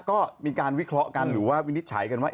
ก็มีการวิเคราะห์กันหรือว่าวินิจฉัยกันว่า